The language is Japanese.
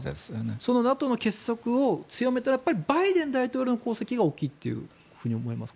そのＮＡＴＯの結束を強めたのはバイデン大統領の功績が大きいと思いますか？